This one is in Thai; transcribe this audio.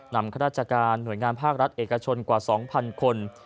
ข้าราชการหน่วยงานภาครัฐเอกชนกว่า๒๐๐คน